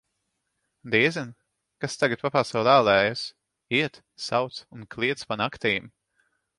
Diezin, kas tagad pa pasauli ālējas: iet, sauc un kliedz pa naktīm.